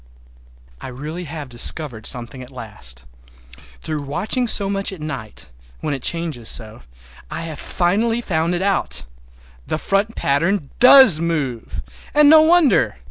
I really have discovered something at last. Through watching so much at night, when it changes so, I have finally found out. The front pattern does move—and no wonder!